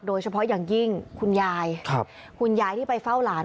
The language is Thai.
โดยเฉพาะอย่างยิ่งคุณยายคุณยายที่ไปเฝ้าหลาน